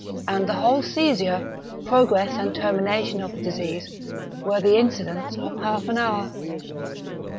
And the whole seizure, progress and termination of the disease, were the incidents of half an hour.